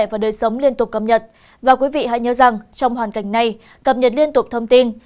và đời sống liên tục cập nhật và quý vị hãy nhớ rằng trong hoàn cảnh này cập nhật liên tục thông tin